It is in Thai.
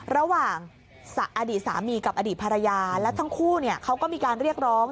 ระหว่างอดีตสามีกับอดีตภรรยาและทั้งคู่เขาก็มีการเรียกร้อง